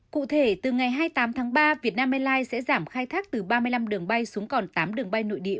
cụ thể từ ngày hai mươi tám tháng ba vietnam airlines sẽ giảm khai thác từ ba mươi năm đường bay xuống còn tám đường bay nội địa